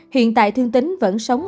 hiện tại thương tính vẫn sống